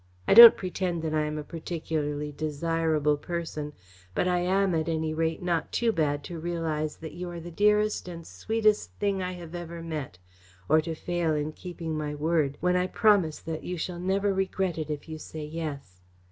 I don't pretend that I am a particularly desirable person, but I am, at any rate, not too bad to realise that you are the dearest and sweetest thing I have ever met, or to fail in keeping my word when I promise that you shall never regret it if you say "yes."